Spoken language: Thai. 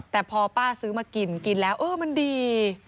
แต่พอป้าซื้อมากินกินแล้วเออมันดี